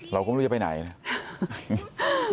เราก็ไม่รู้จะไปไหนนะ